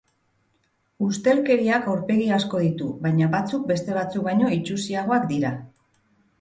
Ustelkeriak aurpegi asko ditu, baina batzuk beste batzuk baino itsusiagoak dira.